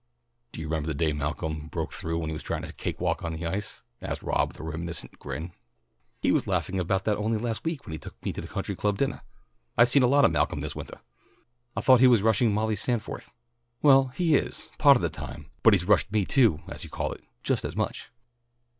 "Do you remember the day Malcolm broke through when he was trying to cake walk on the ice?" asked Rob with a reminiscent grin. "He was laughing about that only last week when he took me to the Country Club dinnah. I've seen a lot of Malcolm this wintah." "I thought he was rushing Molly Standforth." "Well, he is, pah't of the time, but he's rushed me too, as you call it, just as much."